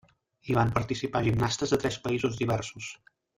Hi van participar gimnastes de tres països diversos.